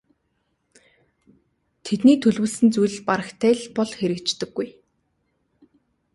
Тэдний төлөвлөсөн зүйл барагтай л бол хэрэгждэггүй.